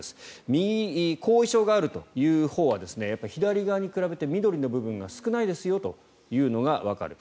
右、後遺症があるというほうは左側に比べて緑の部分が少ないですよというのがわかる。